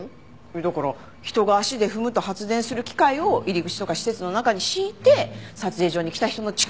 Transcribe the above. だから人が足で踏むと発電する機械を入り口とか施設の中に敷いて撮影所に来た人の力で発電する！